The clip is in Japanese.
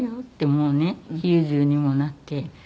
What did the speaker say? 「もうね９０にもなって」。